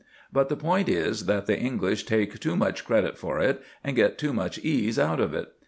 But the point is that the English take too much credit for it and get too much ease out of it.